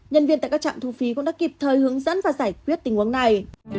nhân viên tại các trạm thu phí cũng đã kịp thời hướng dẫn và giải quyết tình huống này